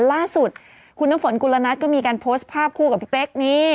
ล่าสุดคุณน้ำฝนกุลนัทก็มีการโพสต์ภาพคู่กับพี่เป๊กนี่